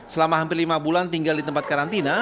selama hampir lima bulan tinggal di tempat karantina